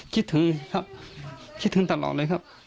คิดถึงครับคิดถึงตลอดเลยครับ